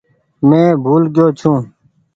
مين ڀول گئيو ڇون۔